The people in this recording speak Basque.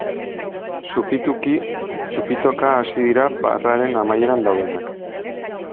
Supituki txupitoka hasi dira barraren amaieran daudenak.